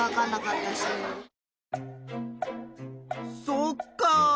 そっか。